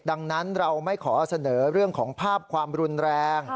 ดังนั้นเราไม่ขอเสนอเรื่องของภาพความรุนแรง